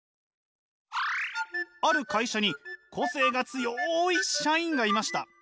ある会社に個性が強い社員がいました。